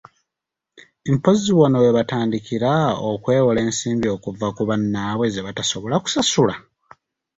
Mpozzi wano we batandikira okwewola ensimbi okuva ku bannaabwe zebatasobola kusasula!